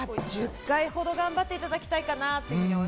１０回ほど頑張っていただきたいかなと思います。